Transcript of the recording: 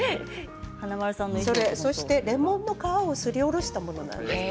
そしてレモンの皮をすりおろしたものなんです。